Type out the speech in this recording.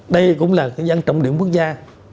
đây cũng là dự án trọng điểm quốc gia